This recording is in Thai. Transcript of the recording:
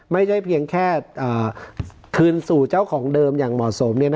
ไม่ใช่เพียงแค่คืนสู่เจ้าของเดิมอย่างเหมาะสม